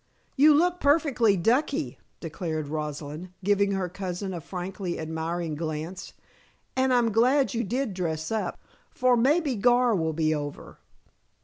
"You look perfectly duckie," declared Rosalind, giving her cousin a frankly admiring glance. "And I'm glad you did dress up, for maybe Gar will be over."